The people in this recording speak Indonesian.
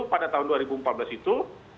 pada tahun dua ribu empat belas itu